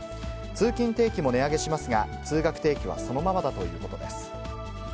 通勤定期も値上げしますが、通学定期はそのままだということです。